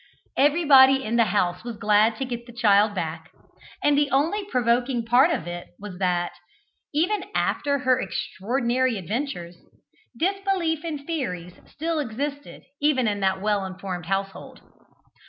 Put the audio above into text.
Everybody in the house was glad to get the child back, and the only provoking part of it was that, even after her extraordinary adventures, disbelief in fairies still existed even in that well informed household.